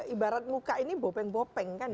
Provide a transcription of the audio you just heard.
ibarat muka ini bopeng bopeng kan